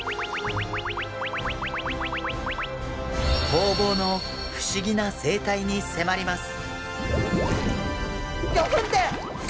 ホウボウの不思議な生態に迫ります！